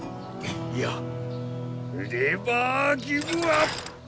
いやレバーギブアップ。